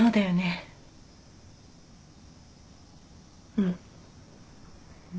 うん。